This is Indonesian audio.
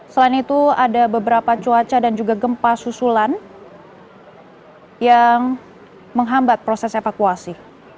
selain itu ada beberapa cuaca dan juga gempa susulan yang menghambat proses evakuasi